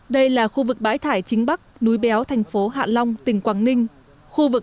đây là khu vực bãi thải chính bắc núi béo thành phố hạ long tỉnh quảng ninh khu vực